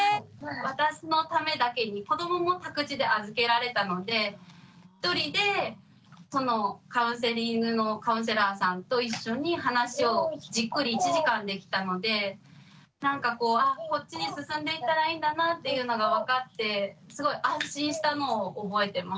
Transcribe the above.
私のためだけに子どもも託児で預けられたので一人でそのカウンセリングのカウンセラーさんと一緒に話をじっくり１時間できたのでなんかこうあこっちに進んでいったらいいんだなっていうのが分かってすごい安心したのを覚えてます。